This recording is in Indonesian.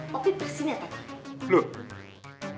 pop pick bersin yang tadi